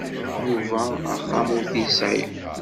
Yuba axxam ur t-yesɛi.